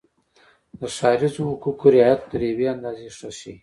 د ښاریزو حقوقو رعایت تر یوې اندازې ښه شي.